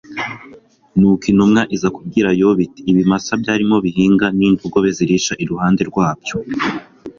nuko intumwa iza kubwira yobu iti ibimasa byarimo bihinga, n'indogobe zirisha iruhande rwabyo